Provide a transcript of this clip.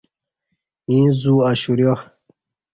ییں زو اشُوریا۔